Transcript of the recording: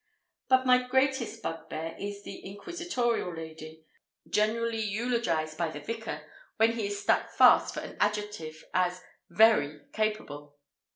But my greatest bugbear is the inquisitorial lady—generally eulogized by the Vicar, when he is stuck fast for an adjective, as "very capable."